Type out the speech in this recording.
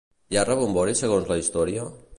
Hi ha rebombori segons la història?